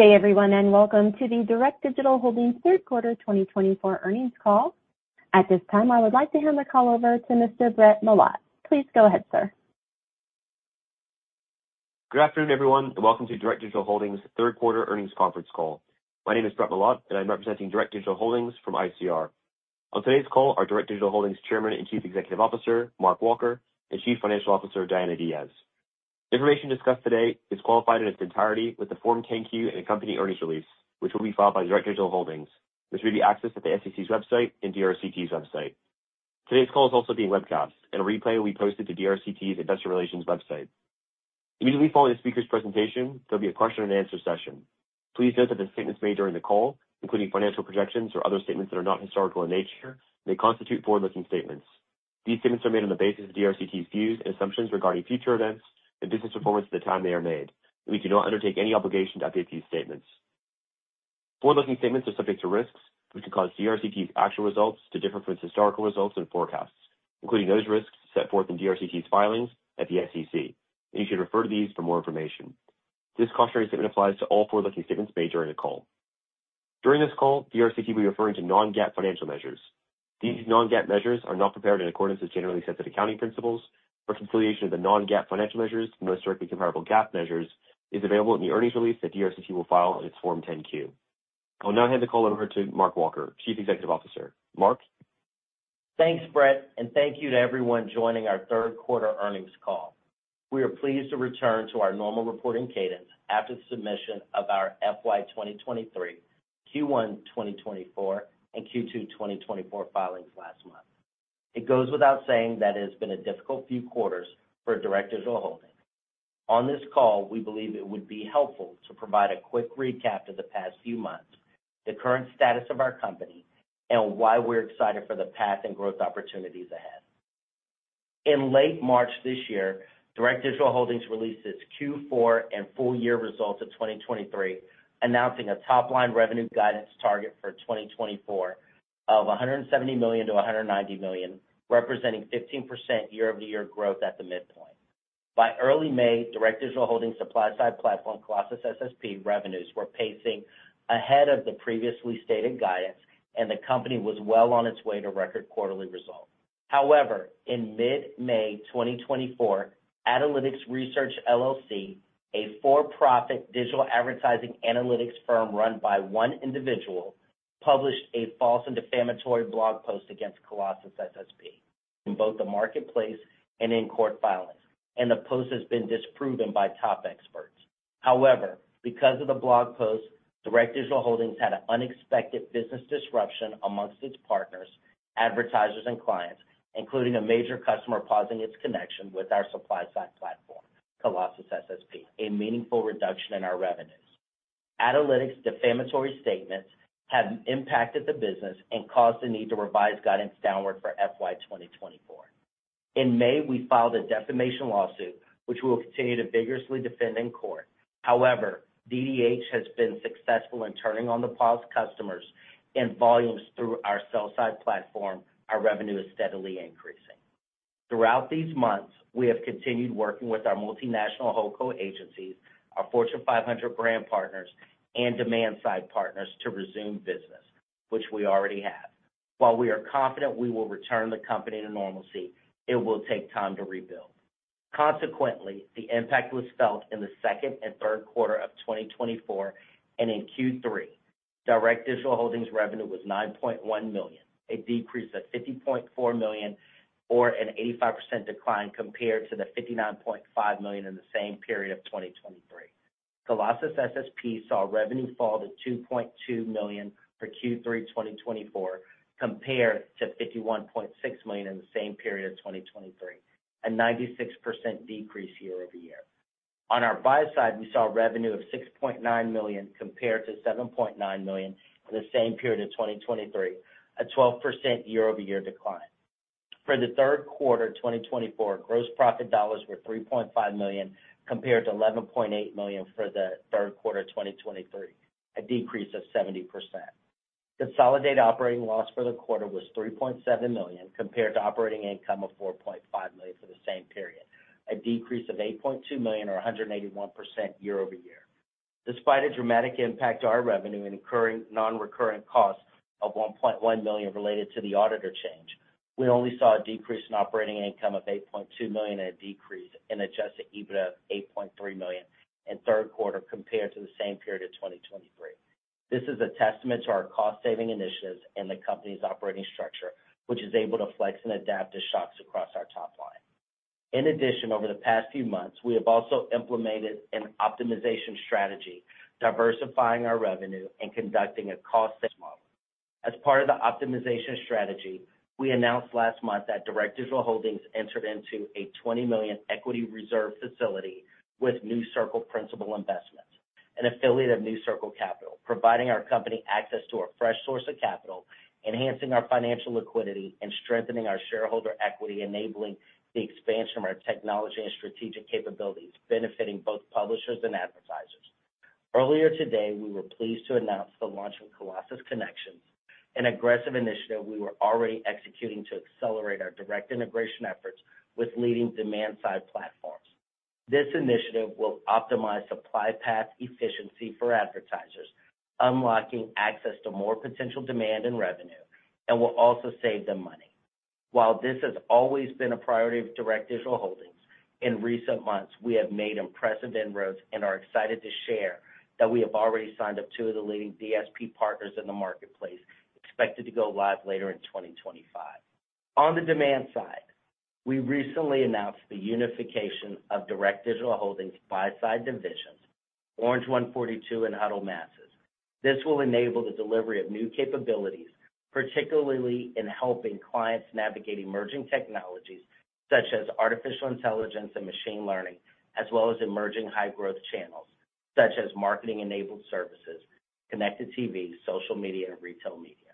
Good day, everyone, and welcome to the Direct Digital Holdings Third Quarter 2024 earnings Call. At this time, I would like to hand the call over to Mr. Brett Milotte. Please go ahead, sir. Good afternoon, everyone, and welcome to Direct Digital Holdings third quarter earnings conference call. My name is Brett Milotte, and I'm representing Direct Digital Holdings from ICR. On today's call are Direct Digital Holdings Chairman and Chief Executive Officer Mark Walker and Chief Financial Officer Diana Diaz. Information discussed today is qualified in its entirety with the Form 10-Q and accompanying earnings release, which will be filed by Direct Digital Holdings, which may be accessed at the SEC's website and DRCT's website. Today's call is also being webcast, and a replay will be posted to DRCT's Investor Relations website. Immediately following the speaker's presentation, there'll be a question-and-answer session. Please note that the statements made during the call, including financial projections or other statements that are not historical in nature, may constitute forward-looking statements. These statements are made on the basis of DRCT's views and assumptions regarding future events and business performance at the time they are made. We do not undertake any obligation to update these statements. Forward-looking statements are subject to risks, which can cause DRCT's actual results to differ from its historical results and forecasts, including those risks set forth in DRCT's filings at the SEC, and you should refer to these for more information. This cautionary statement applies to all forward-looking statements made during the call. During this call, DRCT will be referring to non-GAAP financial measures. These non-GAAP measures are not prepared in accordance with generally accepted accounting principles, but reconciliation of the non-GAAP financial measures to the most directly comparable GAAP measures is available in the earnings release that DRCT will file in its Form 10-Q. I will now hand the call over to Mark Walker, Chief Executive Officer. Mark? Thanks, Brett, and thank you to everyone joining our third quarter earnings call. We are pleased to return to our normal reporting cadence after the submission of our FY 2023, Q1 2024, and Q2 2024 filings last month. It goes without saying that it has been a difficult few quarters for Direct Digital Holdings. On this call, we believe it would be helpful to provide a quick recap of the past few months, the current status of our company, and why we're excited for the path and growth opportunities ahead. In late March this year, Direct Digital Holdings released its Q4 and full-year results of 2023, announcing a top-line revenue guidance target for 2024 of $170 million-$190 million, representing 15% year-over-year growth at the midpoint. By early May, Direct Digital Holdings' supply-side platform, Colossus SSP, revenues were pacing ahead of the previously stated guidance, and the company was well on its way to record quarterly results. However, in mid-May 2024, Adalytics Research, LLC, a for-profit digital advertising analytics firm run by one individual, published a false and defamatory blog post against Colossus SSP in both the marketplace and in court filings, and the post has been disproven by top experts. However, because of the blog post, Direct Digital Holdings had an unexpected business disruption amongst its partners, advertisers, and clients, including a major customer pausing its connection with our supply-side platform, Colossus SSP, a meaningful reduction in our revenues. Adalytics' defamatory statements have impacted the business and caused the need to revise guidance downward for FY 2024. In May, we filed a defamation lawsuit, which we will continue to vigorously defend in court. However, DDH has been successful in turning on the paused customers and volumes through our sell-side platform. Our revenue is steadily increasing. Throughout these months, we have continued working with our multinational HoldCo agencies, our Fortune 500 brand partners, and demand-side partners to resume business, which we already have. While we are confident we will return the company to normalcy, it will take time to rebuild. Consequently, the impact was felt in the second and third quarter of 2024, and in Q3, Direct Digital Holdings' revenue was $9.1 million, a decrease of $50.4 million, or an 85% decline compared to the $59.5 million in the same period of 2023. Colossus SSP saw revenue fall to $2.2 million for Q3 2024 compared to $51.6 million in the same period of 2023, a 96% decrease year-over-year. On our buy side, we saw revenue of $6.9 million compared to $7.9 million in the same period of 2023, a 12% year-over-year decline. For the third quarter 2024, gross profit dollars were $3.5 million compared to $11.8 million for the third quarter 2023, a decrease of 70%. Consolidated operating loss for the quarter was $3.7 million compared to operating income of $4.5 million for the same period, a decrease of $8.2 million, or 181% year-over-year. Despite a dramatic impact to our revenue and incurring non-recurrent costs of $1.1 million related to the auditor change, we only saw a decrease in operating income of $8.2 million and a decrease in Adjusted EBITDA of $8.3 million in third quarter compared to the same period of 2023. This is a testament to our cost-saving initiatives and the company's operating structure, which is able to flex and adapt to shocks across our top line. In addition, over the past few months, we have also implemented an optimization strategy, diversifying our revenue and conducting a cost model. As part of the optimization strategy, we announced last month that Direct Digital Holdings entered into a $20 million equity reserve facility with New Circle Principal Investments, an affiliate of New Circle Capital, providing our company access to a fresh source of capital, enhancing our financial liquidity, and strengthening our shareholder equity, enabling the expansion of our technology and strategic capabilities, benefiting both publishers and advertisers. Earlier today, we were pleased to announce the launch of Colossus Connections, an aggressive initiative we were already executing to accelerate our direct integration efforts with leading demand-side platforms. This initiative will optimize supply path efficiency for advertisers, unlocking access to more potential demand and revenue, and will also save them money. While this has always been a priority of Direct Digital Holdings, in recent months, we have made impressive inroads and are excited to share that we have already signed up two of the leading DSP partners in the marketplace, expected to go live later in 2025. On the demand side, we recently announced the unification of Direct Digital Holdings' buy-side divisions, Orange 142 and Huddled Masses. This will enable the delivery of new capabilities, particularly in helping clients navigate emerging technologies such as artificial intelligence and machine learning, as well as emerging high-growth channels such as marketing-enabled services, connected TV, social media, and retail media.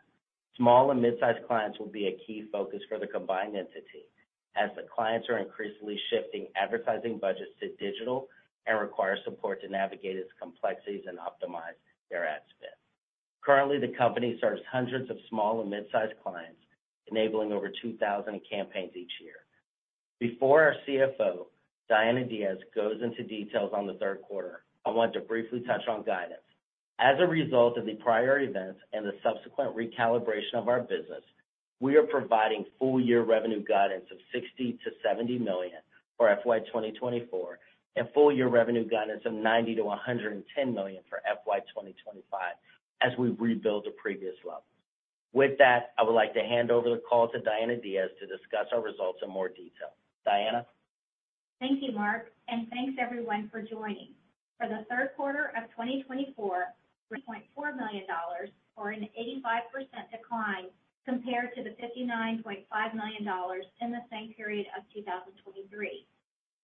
Small and mid-sized clients will be a key focus for the combined entity, as the clients are increasingly shifting advertising budgets to digital and require support to navigate its complexities and optimize their ad spend. Currently, the company serves hundreds of small and mid-sized clients, enabling over 2,000 campaigns each year. Before our CFO, Diana Diaz, goes into details on the third quarter, I want to briefly touch on guidance. As a result of the prior events and the subsequent recalibration of our business, we are providing full-year revenue guidance of $60-$70 million for FY 2024 and full-year revenue guidance of $90-$110 million for FY 2025 as we rebuild the previous levels. With that, I would like to hand over the call to Diana Diaz to discuss our results in more detail. Diana? Thank you, Mark, and thanks, everyone, for joining. For the third quarter of 2024, $3.4 million, or an 85% decline compared to the $59.5 million in the same period of 2023.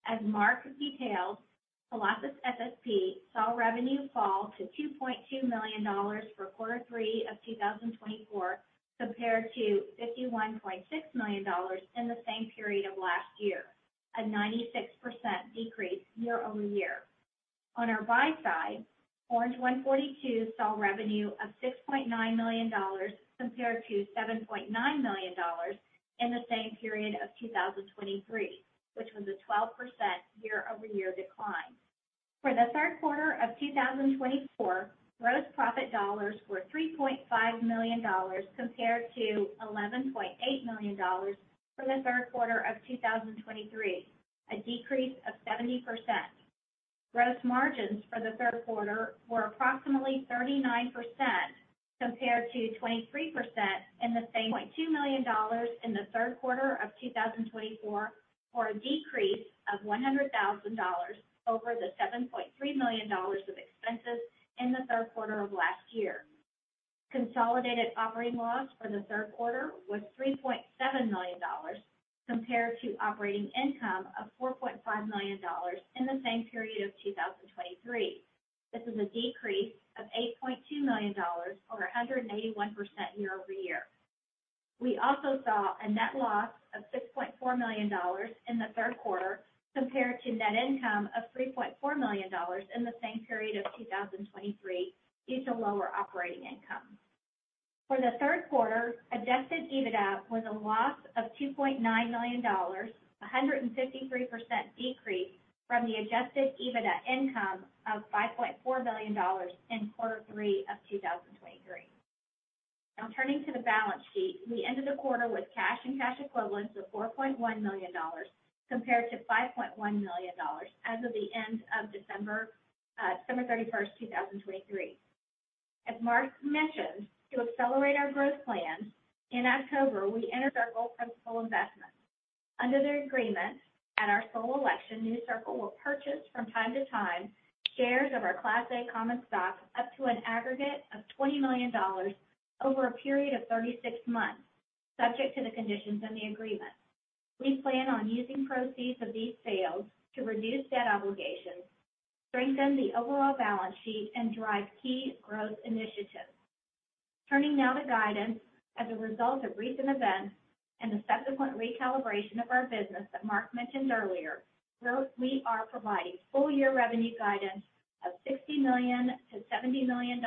As Mark detailed, Colossus SSP saw revenue fall to $2.2 million for quarter three of 2024 compared to $51.6 million in the same period of last year, a 96% decrease year-over-year. On our buy side, Orange 142 saw revenue of $6.9 million compared to $7.9 million in the same period of 2023, which was a 12% year-over-year decline. For the third quarter of 2024, gross profit dollars were $3.5 million compared to $11.8 million for the third quarter of 2023, a decrease of 70%. Gross margins for the third quarter were approximately 39% compared to 23% in the same. $2.2 million in the third quarter of 2024, or a decrease of $100,000 over the $7.3 million of expenses in the third quarter of last year. Consolidated operating loss for the third quarter was $3.7 million compared to operating income of $4.5 million in the same period of 2023. This is a decrease of $8.2 million, or 181% year-over-year. We also saw a net loss of $6.4 million in the third quarter compared to net income of $3.4 million in the same period of 2023 due to lower operating income. For the third quarter, adjusted EBITDA was a loss of $2.9 million, a 153% decrease from the adjusted EBITDA income of $5.4 million in quarter three of 2023. Now, turning to the balance sheet, we ended the quarter with cash and cash equivalents of $4.1 million compared to $5.1 million as of the end of December, December 31st, 2023. As Mark mentioned, to accelerate our growth plans, in October, we entered into New Circle Principal Investments. Under the agreement at our sole election, New Circle will purchase from time to time shares of our Class A common stock up to an aggregate of $20 million over a period of 36 months, subject to the conditions in the agreement. We plan on using proceeds of these sales to reduce debt obligations, strengthen the overall balance sheet, and drive key growth initiatives. Turning now to guidance, as a result of recent events and the subsequent recalibration of our business that Mark mentioned earlier, we are providing full-year revenue guidance of $60 million-$70 million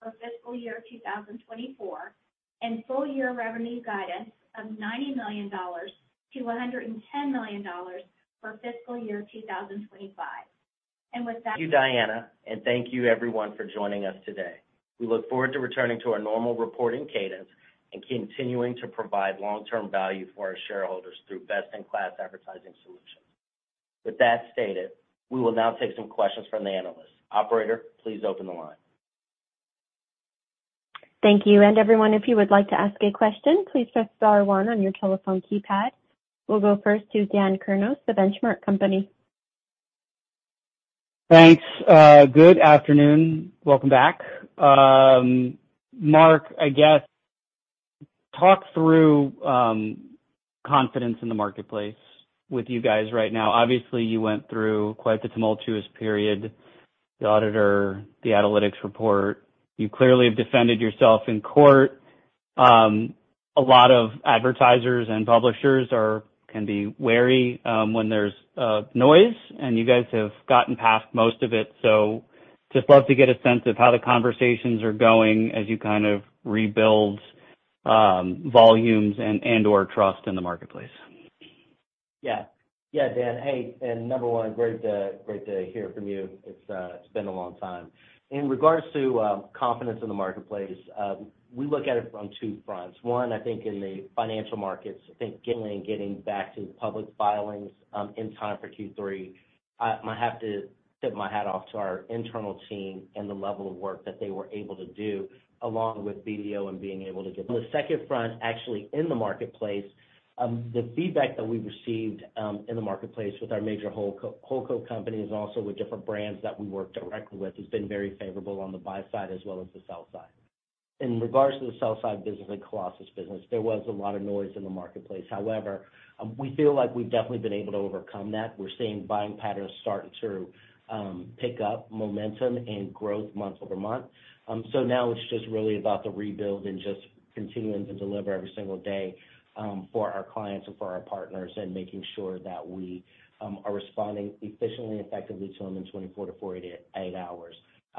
for fiscal year 2024 and full-year revenue guidance of $90 million-$110 million for fiscal year 2025 and with that. Thank you, Diana, and thank you, everyone, for joining us today. We look forward to returning to our normal reporting cadence and continuing to provide long-term value for our shareholders through best-in-class advertising solutions. With that stated, we will now take some questions from the analysts. Operator, please open the line. Thank you. And everyone, if you would like to ask a question, please press star one on your telephone keypad. We'll go first to Dan Kurnos, The Benchmark Company. Thanks. Good afternoon. Welcome back. Mark, I guess, talk through confidence in the marketplace with you guys right now. Obviously, you went through quite the tumultuous period, the auditor, the Adalytics report. You clearly have defended yourself in court. A lot of advertisers and publishers can be wary when there's noise, and you guys have gotten past most of it. So just love to get a sense of how the conversations are going as you kind of rebuild volumes and/or trust in the marketplace. Yeah. Yeah, Dan. Hey, and number one, great to hear from you. It's been a long time. In regards to confidence in the marketplace, we look at it from two fronts. One, I think in the financial markets, I think getting back to public filings in time for Q3, I have to tip my hat off to our internal team and the level of work that they were able to do, along with BDO and being able to get. The second front, actually in the marketplace, the feedback that we received in the marketplace with our major HOCO companies and also with different brands that we work directly with has been very favorable on the buy side as well as the sell side. In regards to the sell side business and Colossus business, there was a lot of noise in the marketplace. However, we feel like we've definitely been able to overcome that. We're seeing buying patterns start to pick up momentum and growth month over month. So now it's just really about the rebuild and just continuing to deliver every single day for our clients and for our partners and making sure that we are responding efficiently and effectively to them in 24 to 48 hours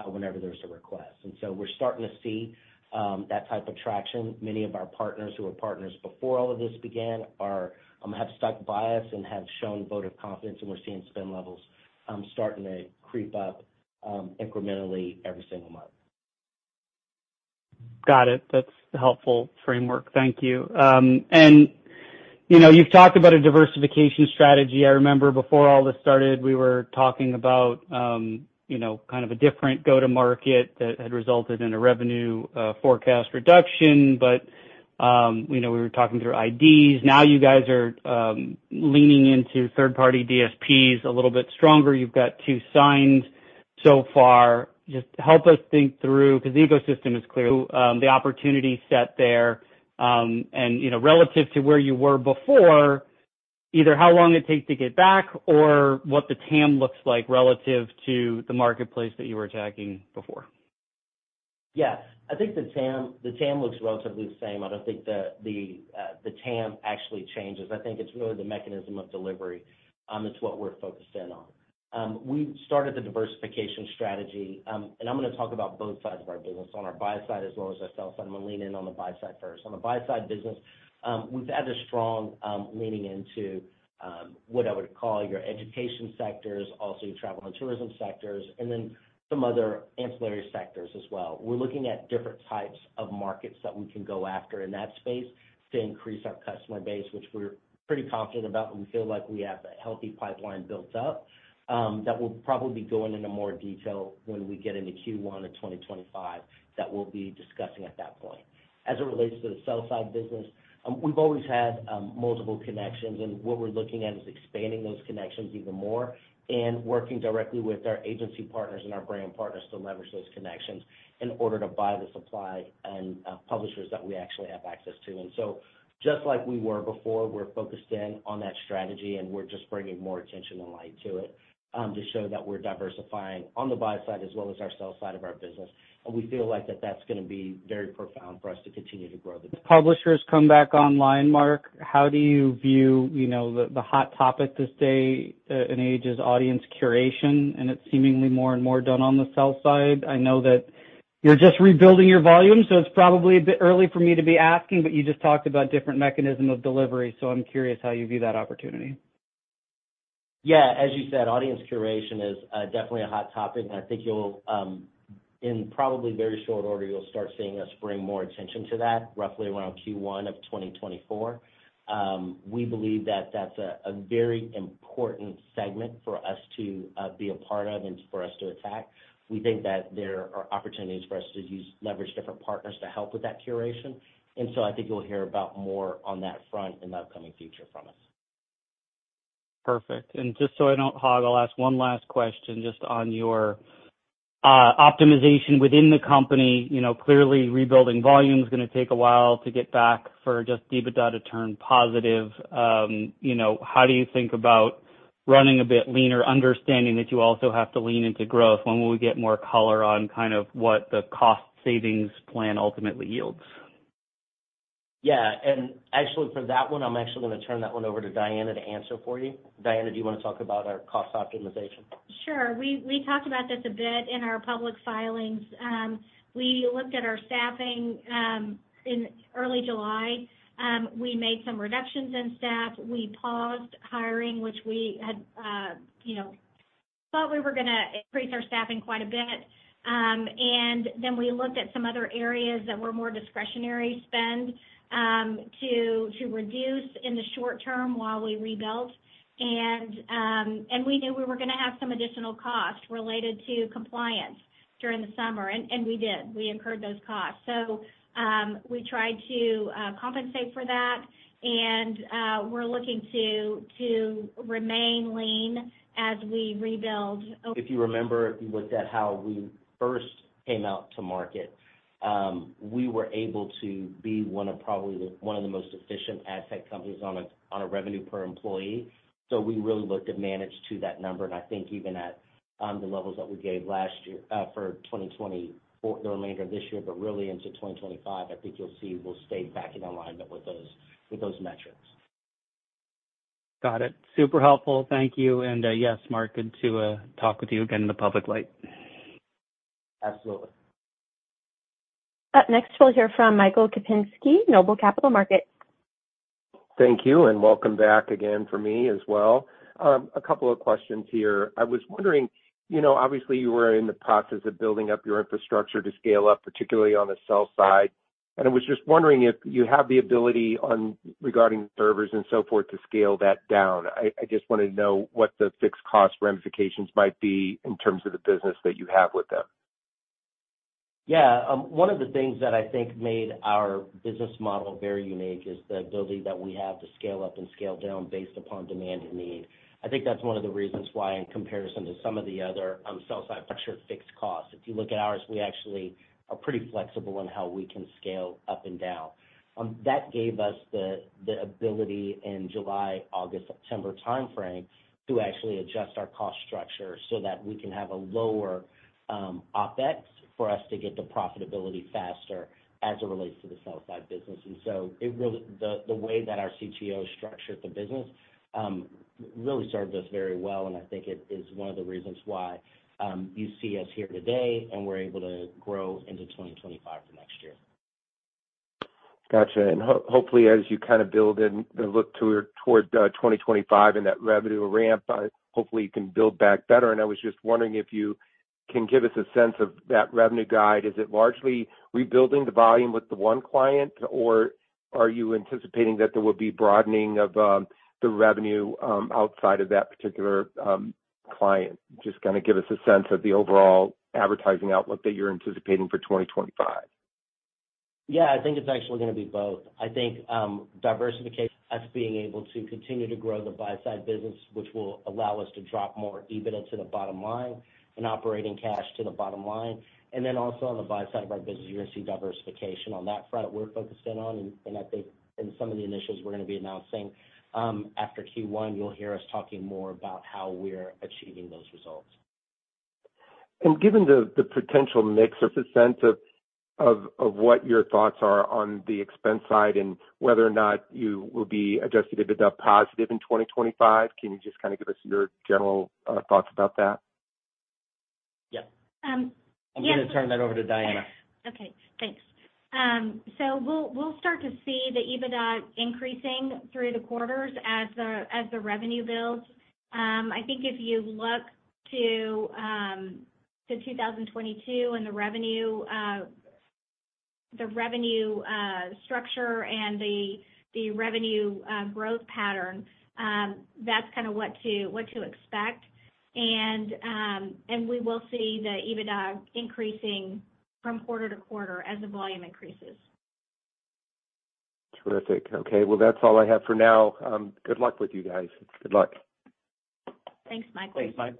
whenever there's a request. And so we're starting to see that type of traction. Many of our partners who were partners before all of this began have stuck by us and have shown vote of confidence, and we're seeing spend levels starting to creep up incrementally every single month. Got it. That's a helpful framework. Thank you. And you've talked about a diversification strategy. I remember before all this started, we were talking about kind of a different go-to-market that had resulted in a revenue forecast reduction, but we were talking through IDs. Now you guys are leaning into third-party DSPs a little bit stronger. You've got two signs so far. Just help us think through, because the ecosystem is clear, the opportunity set there and relative to where you were before, either how long it takes to get back or what the TAM looks like relative to the marketplace that you were attacking before. Yes. I think the TAM looks relatively the same. I don't think the TAM actually changes. I think it's really the mechanism of delivery. It's what we're focused in on. We started the diversification strategy, and I'm going to talk about both sides of our business, on our buy side as well as our sell side. I'm going to lean in on the buy side first. On the buy side business, we've had a strong leaning into what I would call your education sectors, also your travel and tourism sectors, and then some other ancillary sectors as well. We're looking at different types of markets that we can go after in that space to increase our customer base, which we're pretty confident about. We feel like we have a healthy pipeline built up that we'll probably be going into more detail when we get into Q1 of 2025, that we'll be discussing at that point. As it relates to the sell side business, we've always had multiple connections, and what we're looking at is expanding those connections even more and working directly with our agency partners and our brand partners to leverage those connections in order to buy the supply and publishers that we actually have access to. And so just like we were before, we're focused in on that strategy, and we're just bringing more attention and light to it to show that we're diversifying on the buy side as well as our sell side of our business. And we feel like that's going to be very profound for us to continue to grow the. Publishers come back online, Mark. How do you view the hot topic this day and age is audience curation, and it's seemingly more and more done on the sell side? I know that you're just rebuilding your volume, so it's probably a bit early for me to be asking, but you just talked about different mechanisms of delivery, so I'm curious how you view that opportunity. Yeah. As you said, audience curation is definitely a hot topic. And I think in probably very short order, you'll start seeing us bring more attention to that roughly around Q1 of 2024. We believe that that's a very important segment for us to be a part of and for us to attack. We think that there are opportunities for us to leverage different partners to help with that curation. And so I think you'll hear about more on that front in the upcoming future from us. Perfect. And just so I don't hog, I'll ask one last question just on your optimization within the company. Clearly, rebuilding volume is going to take a while to get back for just EBITDA to turn positive. How do you think about running a bit leaner, understanding that you also have to lean into growth? When will we get more color on kind of what the cost savings plan ultimately yields? Yeah. And actually, for that one, I'm actually going to turn that one over to Diana to answer for you. Diana, do you want to talk about our cost optimization? Sure. We talked about this a bit in our public filings. We looked at our staffing in early July. We made some reductions in staff. We paused hiring, which we had thought we were going to increase our staffing quite a bit, and then we looked at some other areas that were more discretionary spend to reduce in the short term while we rebuilt, and we knew we were going to have some additional costs related to compliance during the summer, and we did, we incurred those costs, so we tried to compensate for that, and we're looking to remain lean as we rebuild. If you remember, if you looked at how we first came out to market, we were able to be one of probably the most efficient ad tech companies on a revenue per employee. So we really looked at and managed to that number, and I think even at the levels that we gave last year for 2024, the remainder of this year, but really into 2025, I think you'll see we'll stay back in alignment with those metrics. Got it. Super helpful. Thank you. And yes, Mark, good to talk with you again in the public light. Absolutely. Next, we'll hear from Michael Kupinski, Noble Capital Markets. Thank you and welcome back again for me as well. A couple of questions here. I was wondering, obviously, you were in the process of building up your infrastructure to scale up, particularly on the sell side and I was just wondering if you have the ability regarding servers and so forth to scale that down. I just wanted to know what the fixed cost ramifications might be in terms of the business that you have with them. Yeah. One of the things that I think made our business model very unique is the ability that we have to scale up and scale down based upon demand and need. I think that's one of the reasons why, in comparison to some of the other sell-side structured fixed costs, if you look at ours, we actually are pretty flexible in how we can scale up and down. That gave us the ability in July, August, September timeframe to actually adjust our cost structure so that we can have a lower OpEx for us to get the profitability faster as it relates to the sell-side business, and so the way that our CTO structured the business really served us very well, and I think it is one of the reasons why you see us here today and we're able to grow into 2025 for next year. Gotcha. And hopefully, as you kind of build in the look toward 2025 and that revenue ramp, hopefully, you can build back better. And I was just wondering if you can give us a sense of that revenue guide. Is it largely rebuilding the volume with the one client, or are you anticipating that there will be broadening of the revenue outside of that particular client? Just kind of give us a sense of the overall advertising outlook that you're anticipating for 2025. Yeah. I think it's actually going to be both. I think diversification is being able to continue to grow the buy-side business, which will allow us to drop more EBITDA to the bottom line and operating cash to the bottom line. And then also on the buy-side of our business, you're going to see diversification on that front we're focused in on. And I think in some of the initiatives we're going to be announcing after Q1, you'll hear us talking more about how we're achieving those results. And given the potential mix, a sense of what your thoughts are on the expense side and whether or not you will be Adjusted EBITDA positive in 2025? Can you just kind of give us your general thoughts about that? Yes. Yes. I'm going to turn that over to Diana. Okay. Thanks, so we'll start to see the EBITDA increasing through the quarters as the revenue builds. I think if you look to 2022 and the revenue structure and the revenue growth pattern, that's kind of what to expect, and we will see the EBITDA increasing from quarter to quarter as the volume increases. Terrific. Okay. Well, that's all I have for now. Good luck with you guys. Good luck. Thanks, Michael. Thanks.